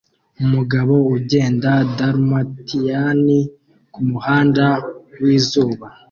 Umugabo ugenda dalmatiyani kumuhanda wizuba